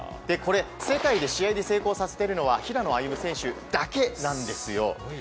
これ、世界で試合で成功させてるのは、平野歩夢選手だけなんですよ。